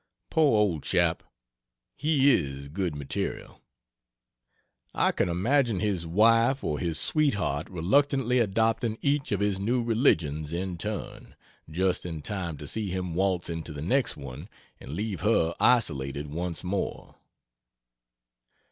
Poor old chap, he is good material. I can imagine his wife or his sweetheart reluctantly adopting each of his new religious in turn, just in time to see him waltz into the next one and leave her isolated once more.